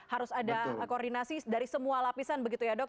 harus ada koordinasi dari semua lapisan begitu ya dok